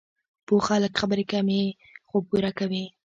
پوه خلک خبرې کمې، خو پوره کوي.